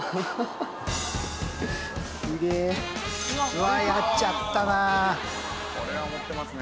うわあやっちゃったな。